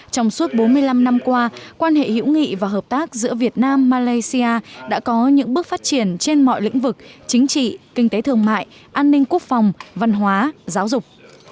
trong suốt bốn mươi năm năm qua quan hệ hữu nghị và hợp tác giữa việt nam malaysia đã có những bước phát triển trên mọi lĩnh vực chính trị kinh tế thương mại an ninh quốc phòng văn hóa giáo dục